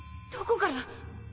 どこから！？